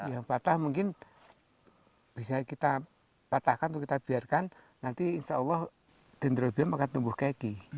yang patah mungkin bisa kita patahkan atau kita biarkan nanti insya allah dendrobium akan tumbuh keki